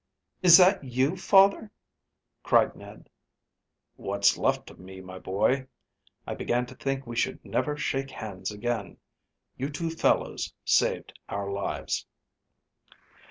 "Is that you, father?" cried Ned. "What's left of me, my boy. I began to think we should never shake hands again. You two fellows saved our lives."